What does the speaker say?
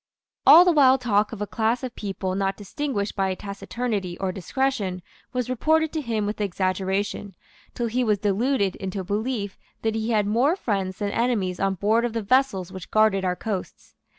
All the wild talk of a class of people not distinguished by taciturnity or discretion was reported to him with exaggeration, till he was deluded into a belief that he had more friends than enemies on board of the vessels which guarded our coasts.